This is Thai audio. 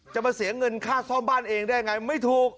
จะมาเสียเงินค่าซ่อมบ้านเองได้ยังไงไม่ถูก